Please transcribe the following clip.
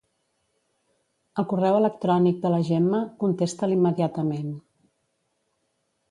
El correu electrònic de la Gemma, contesta'l immediatament.